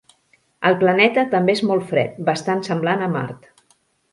El planeta també és molt fred, bastant semblant a Mart.